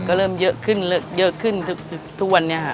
ก็เริ่มเยอะขึ้นทุกวันนี้ค่ะ